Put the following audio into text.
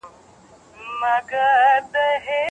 که خمیره وکړو نو ډوډۍ نه پوکیږي.